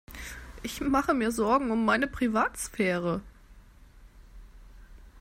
Ich mache mir Sorgen um meine Privatsphäre.